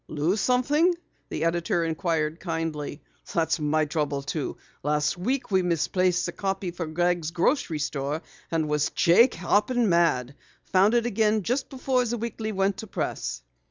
"Lose something?" the editor inquired kindly. "That's my trouble too. Last week we misplaced the copy for Gregg's Grocery Store and was Jake hoppin' mad! Found it again just before the Weekly went to press."